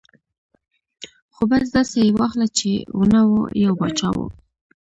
ـ خو بس داسې یې واخله چې و نه و ، یو باچا و.